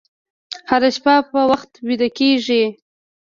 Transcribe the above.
هره شپه په وخت ویده کېږئ.